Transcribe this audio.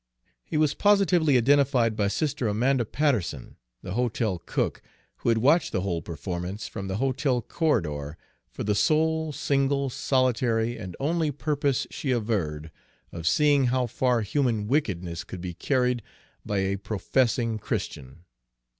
He was positively identified by Sister 'Manda Patterson, the hotel cook, who had watched the whole performance from the hotel corridor for the sole, single, solitary, and only purpose, she averred, of seeing how far human wickedness could be carried by a professing Christian.